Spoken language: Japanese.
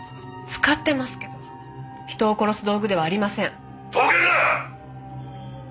使ってますけど人を殺す道具ではありません。